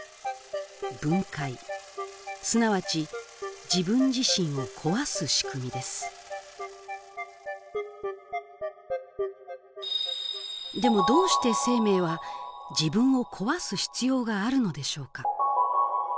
分解すなわち「自分自身を壊す」仕組みですでもどうして生命は自分を壊す必要があるのでしょうか？